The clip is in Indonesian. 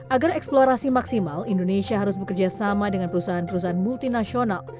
agar eksplorasi maksimal indonesia harus bekerja sama dengan perusahaan perusahaan multinasional